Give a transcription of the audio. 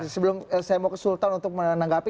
sebelum saya mau ke sultan untuk menanggapi